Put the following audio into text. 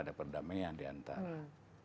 ada perdamaian diantara